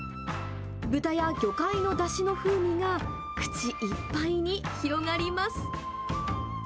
豚や魚介のだしの風味が口いっぱいに広がります。